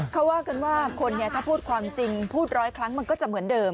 เขาว่ากันว่าคนเนี่ยถ้าพูดความจริงพูดร้อยครั้งมันก็จะเหมือนเดิม